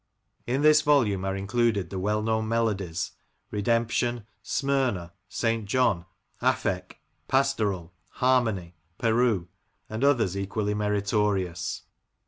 In this volume are included the well known melodies— " Redemption," "Smyrna," "St John," "Aphek," "Pastoral," "Harmony," "Peru," and others equally meritorious.